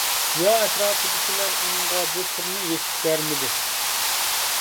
يا ئەتراپىدىكىلەر ئۇنىڭغا بۇ سىرنى يېشىپ بەرمىدى.